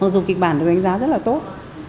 dù kịch bản được đánh giá rất là tốt